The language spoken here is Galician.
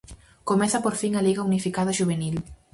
Comeza por fin a liga unificada xuvenil.